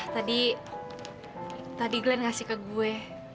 tadi glenn ngasih ke gue